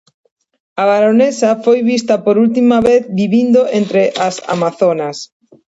La baronesa fue vista por última vez viviendo entre las amazonas.